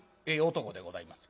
男でございます。